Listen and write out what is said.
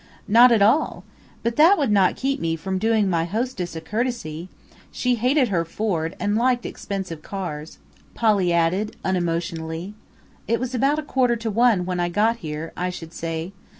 "Not at all! But that would not keep me from doing my hostess a courtesy.... She hated her Ford and liked expensive cars," Polly added unemotionally. "It was about a quarter to one when I got here, I should say.